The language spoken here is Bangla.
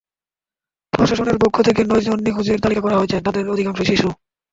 প্রশাসনের পক্ষ থেকে নয়জন নিখোঁজের তালিকা করা হয়েছে, যাদের অধিকাংশই শিশু।